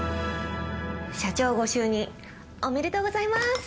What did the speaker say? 社長ご就任おめでとうございます！